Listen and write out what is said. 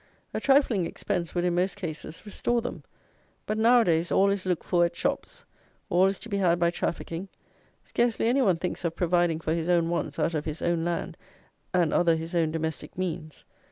A trifling expense would, in most cases, restore them; but now a days all is looked for at shops: all is to be had by trafficking: scarcely any one thinks of providing for his own wants out of his own land and other his own domestic means.